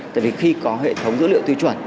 tại vì khi có hệ thống dữ liệu tiêu chuẩn